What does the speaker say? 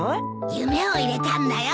夢を入れたんだよ。